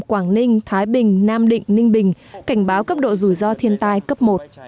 quảng ninh thái bình nam định ninh bình cảnh báo cấp độ rủi ro thiên tai cấp một